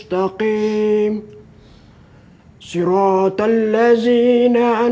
tema apa disin